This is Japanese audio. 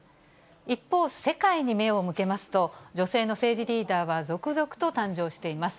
一方、世界に目を向けますと、女性の政治リーダーは続々と誕生しています。